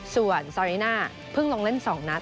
ส่วนซาริน่าเพิ่งลงเล่น๒นัด